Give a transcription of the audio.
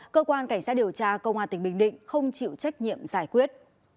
cơ quan cảnh sát điều tra công an tỉnh bình định không chịu trách nhiệm giải quyết